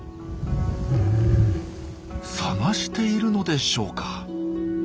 探しているのでしょうか？